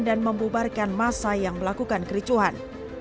dan membubarkan massa yang melakukan kericuhan